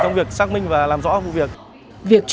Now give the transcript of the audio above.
trong việc xác minh và làm rõ vụ việc